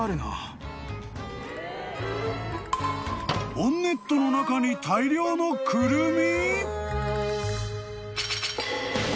［ボンネットの中に大量のクルミ？］